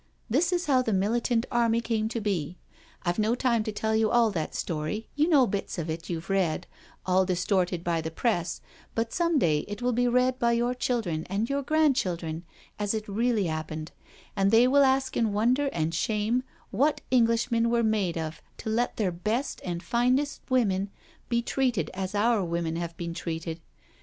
This is how the militant army came to be. I've no time to tell you all that story — you know bits of it you've read, all distorted by the Press, but some day it will be read by your children and your grand children as it really happened, and they will ask in wonder and shame what Englishmen were made of to let their best and finest women be treated as our women have been treated.